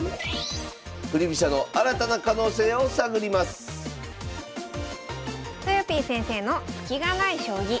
振り飛車の新たな可能性を探りますとよぴー先生の「スキがない将棋」。